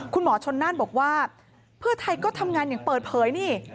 คุณหมอชนน่านบอกว่าเพื่อไทยก็ทำงานอย่างเปิดเผยนี่